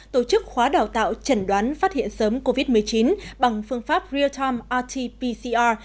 tổ chức khóa đào tạo chẩn đoán phát hiện sớm covid một mươi chín bằng phương pháp real time rt pcr